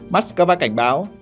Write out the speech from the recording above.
moscow cảnh báo